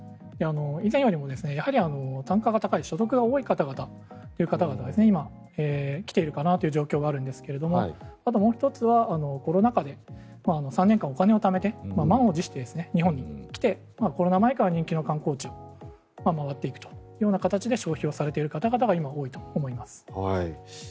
以前よりも単価が高い所得が多い方々が今、来ているかなという状況があるんですがあともう１つは、コロナ禍で３年間お金をためて満を持して日本に来てコロナ前から人気の観光地を回っていくというような形で消費をされている方々が今、多いと思います。